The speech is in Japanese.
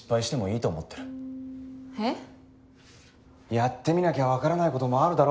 やってみなきゃわからない事もあるだろ？